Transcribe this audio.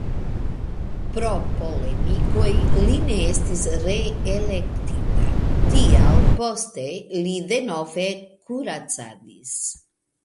Pro polemikoj li ne estis reelektita, tial poste li denove kuracadis.